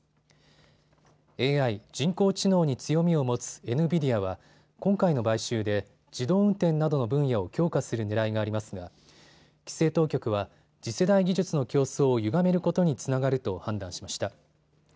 ＡＩ・人工知能に強みを持つエヌビディアは今回の買収で自動運転などの分野を強化するねらいがありますが規制当局は次世代技術の競争をゆがめることにつながると判断しました。